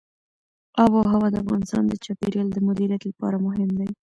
آب وهوا د افغانستان د چاپیریال د مدیریت لپاره مهم دي.